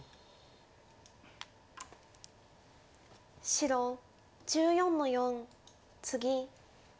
白１４の四ツギ。